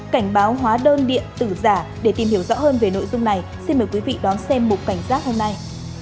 cảnh báo hóa đơn điện tử giả để tìm hiểu rõ hơn về nội dung này xin mời quý vị đón xem một cảnh giác hôm nay